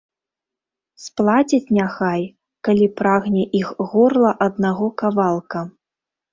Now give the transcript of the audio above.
Сплацяць няхай, калі прагне іх горла аднаго кавалка.